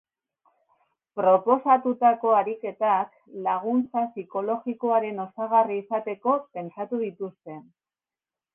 Proposatutako ariketak laguntza psikologikoaren osagarri izateko pentsatu dituzte.